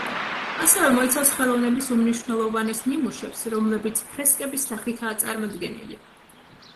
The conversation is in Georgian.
ასევე მოიცავს ხელოვნების უმნიშვნელოვანეს ნიმუშებს, რომლებიც ფრესკების სახითაა წარმოდგენილი.